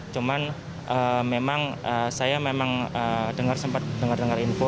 cuman memang saya memang dengar sempat dengar dengar info